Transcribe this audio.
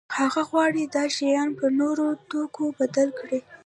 هغه غواړي دا شیان په نورو توکو بدل کړي.